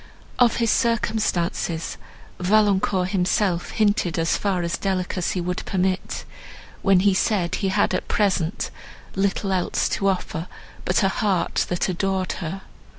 Of his circumstances, Valancourt himself hinted as far as delicacy would permit, when he said he had at present little else to offer but a heart, that adored her.